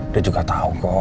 dia juga tau kok